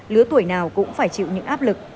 lứa tuổi nào cũng phải chịu những áp lực